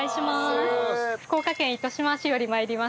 福岡県糸島市より参りました